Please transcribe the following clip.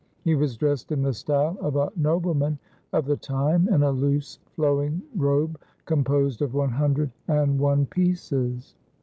He was dressed in the style of a noble man of the time in a loose flowing robe composed of one hundred and one pieces.